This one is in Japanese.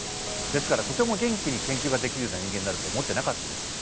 ですからとても元気に研究ができるような人間になると思ってなかったです。